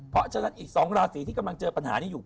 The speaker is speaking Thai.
เพราะฉะนั้นอีก๒ราศีที่กำลังเจอปัญหานี้อยู่